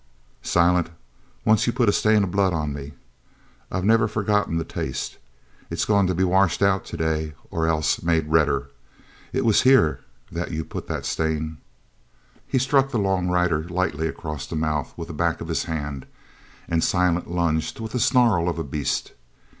"Silent, once you put a stain of blood on me. I've never forgot the taste. It's goin' to be washed out today or else made redder. It was here that you put the stain." He struck the long rider lightly across the mouth with the back of his hand, and Silent lunged with the snarl of a beast.